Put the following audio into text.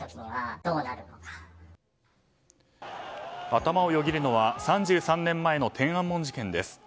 頭をよぎるのは３３年前の天安門事件です。